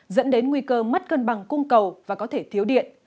dẫn đến nguy cơ mất cân bằng cung cầu và có thể thiếu điện